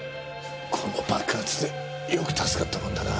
この爆発でよく助かったもんだな。